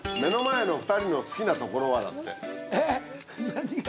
えっ何が？